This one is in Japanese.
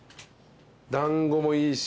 団子もいいし。